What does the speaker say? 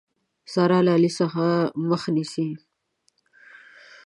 سارا له علي څخه مخ نيسي.